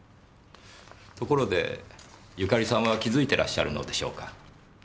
ところでゆかりさんは気付いてらっしゃるのでしょうか？